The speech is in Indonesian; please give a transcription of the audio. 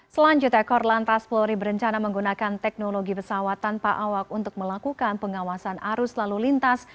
selanjutnya korlantas polri berencana menggunakan teknologi pesawat tanpa awak untuk melakukan pengawasan arus lalu lintas